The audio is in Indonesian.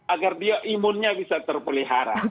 agar dia imunnya bisa terpelihara